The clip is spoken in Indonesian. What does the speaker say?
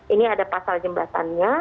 ini ada pasal jembatannya